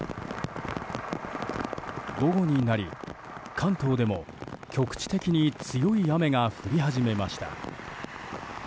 午後になり関東でも局地的に強い雨が降り始めました。